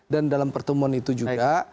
dan dalam pertemuan itu juga